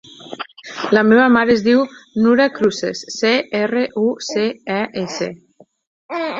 La meva mare es diu Nura Cruces: ce, erra, u, ce, e, essa.